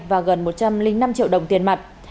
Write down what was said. và gần một trăm linh năm triệu đồng tiền mặt